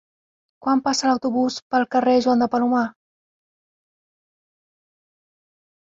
Quan passa l'autobús pel carrer Joan de Palomar?